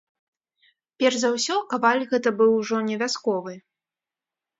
Перш за ўсё, каваль гэта быў ужо не вясковы.